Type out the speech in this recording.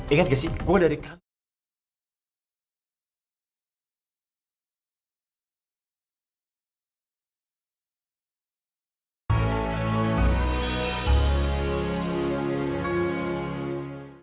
ingat gak sih gue dari kanker